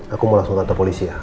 aku mau langsung tata polisi ya